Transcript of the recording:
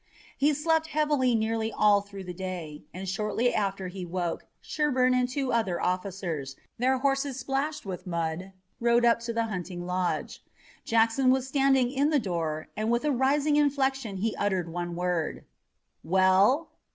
He slept heavily nearly all through the day, and shortly after he awoke Sherburne and two other officers, their horses splashed with mud, rode up to the hunting lodge. Jackson was standing in the door, and with a rising inflection he uttered one word: "Well?"